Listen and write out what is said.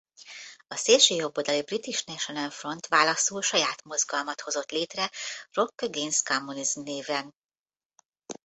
A szélsőjobboldali British National Front válaszul saját mozgalmat hozott létre Rock Against Communism néven.